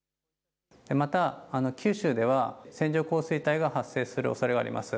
また、九州では線状降水帯が発生するおそれがあります。